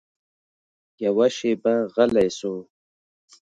يوه شېبه غلى سو.